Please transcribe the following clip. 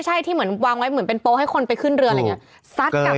ใช่ที่เหมือนวางไว้เหมือนเป็นโป๊ให้คนไปขึ้นเรืออะไรอย่างนี้